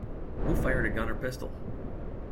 Who fired a gun or pistol?